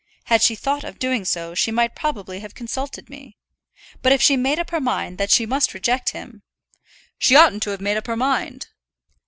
Had she thought of doing so she might probably have consulted me. But if she made up her mind that she must reject him " "She oughtn't to have made up her mind."